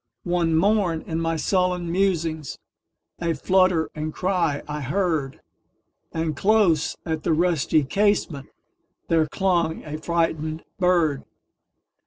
One morn, in my sullen musings,A flutter and cry I heard; And close at the rusty casementThere clung a frightened bird.